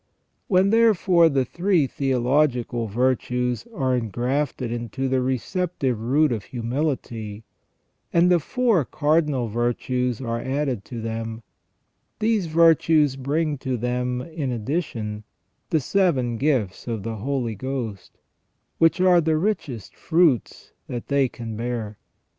When, therefore, the three theological virtues are engrafted into the receptive root of humility, and the four cardinal virtues are added to them, these virtues bring to them in addition the seven gifts of the Holy Ghost, which are the richest fruits that they can bear.